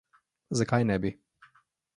Zakaj ne bi?